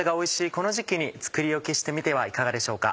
この時期に作り置きしてみてはいかがでしょうか。